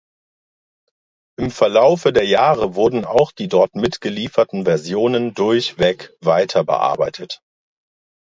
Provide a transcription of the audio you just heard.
Im Verlaufe der Jahre wurden auch die dort mitgelieferten Versionen durchweg weiterbearbeitet.